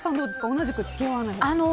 同じく付き合わない。